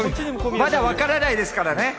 まだわからないですからね。